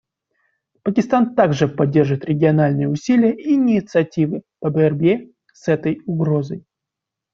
Пакистан также поддержит региональные усилия и инициативы по борьбе с этой угрозой.